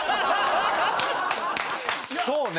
そうね。